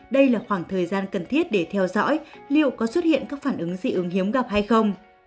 đây là khoảng thời gian cần thiết để theo dõi liệu có xuất hiện các phản ứng dị ứng hiếm gặp hay không